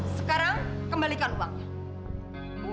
sekarang kembalikan uangnya